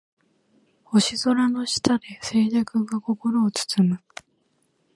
星空の下で静寂が心を包む